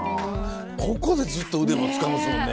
ここでずっと腕も使うんですもんね。